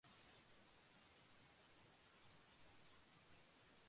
একটিমাত্র শব্দে দীর্ঘ বাক্য তৈরি করা বা কথোপকথন চালানো অসম্ভব।